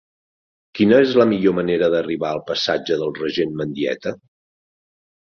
Quina és la millor manera d'arribar al passatge del Regent Mendieta?